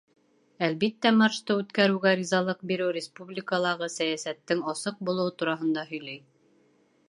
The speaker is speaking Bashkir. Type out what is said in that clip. Әлбиттә, маршты үткәреүгә ризалыҡ биреү республикалағы сәйәсәттең асыҡ булыуы тураһында һөйләй.